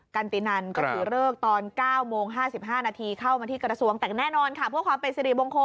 คุณทรงหนูสองสกทองศรีโอ้